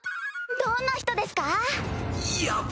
どんな人ですか？